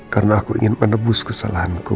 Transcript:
karena aku ingin menebus kesalahanku